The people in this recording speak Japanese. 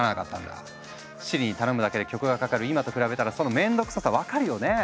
Ｓｉｒｉに頼むだけで曲がかかる今と比べたらその面倒くささ分かるよね？